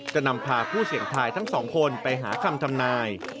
จะนำพาผู้เสี่ยงทายทั้งสองคนไปหาคำทำนาย